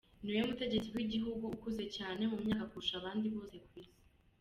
Ni we mutegetsi w'igihugu ukuze cyane mu myaka kurusha abandi bose ku isi? .